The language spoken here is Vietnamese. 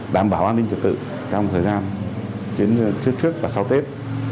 đảm bảo an ninh trật tự trong thời gian trước và sau tết